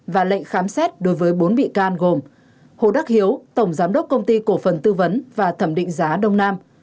và lệnh khám xét đối với bốn bị can gồm hồ đắc hiếu tổng giám đốc công ty cổ phần tư vấn và thẩm định giá đông nam